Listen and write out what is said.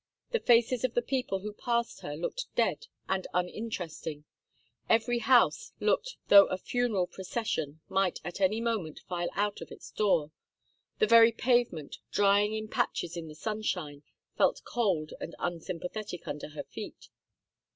The faces of the people who passed her looked dead and uninteresting. Every house looked as though a funeral procession might at any moment file out of its door. The very pavement, drying in patches in the sunshine, felt cold and unsympathetic under her feet.